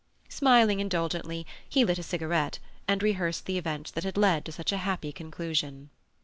Smiling indulgently, he lit a cigarette, and rehearsed the events that had led to such a happy conclusion.